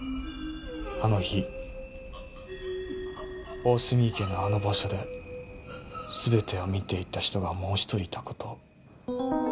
あの日大澄池のあの場所で全てを見ていた人がもう１人いた事を。